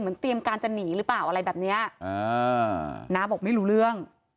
เตรียมการจะหนีหรือเปล่าอะไรแบบเนี้ยอ่าน้าบอกไม่รู้เรื่อง